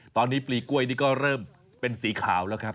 ตอนนี้ปลีกล้วยนี่ก็เริ่มเป็นสีขาวแล้วครับ